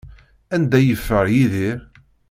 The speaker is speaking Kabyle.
Anda ay yeffer Yidir?